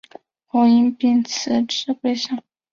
后因病辞职归乡。